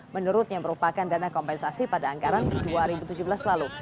menurutnya merupakan dana kompensasi pada anggaran dua ribu tujuh belas lalu